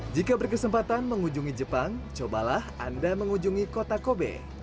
jika berkesempatan mengunjungi jepang cobalah anda mengunjungi kota kobe